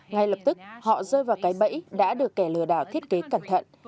ngay lập tức họ rơi vào cái bẫy đã được kẻ lừa đảo thiết kế cẩn thận